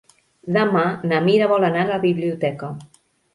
Demà na Mira vol anar a la biblioteca.